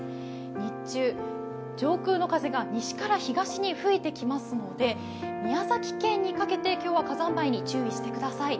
日中、上空の風が西から東に吹いてきますので宮崎県にかけて今日は火山灰に注意してください。